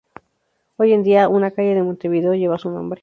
Hoy en día, una calle de Montevideo lleva su nombre.